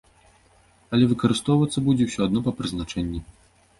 Але выкарыстоўвацца будзе ўсё адно па прызначэнні.